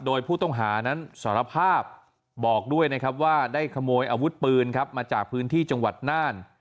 โดยผู้ต้องหานั้นสารภาพบอกด้วยนะครับว่าได้ขโมยอาวุธปืนครับมาจากพื้นที่จังหวัดน่าน